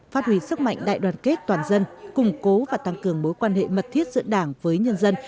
phát huy sức mạnh đại đoàn kết toàn dân củng cố và tăng cường mối quan hệ mật thiết giữa đảng với nhân dân